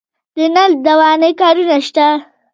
د نل دوانۍ کارونه شته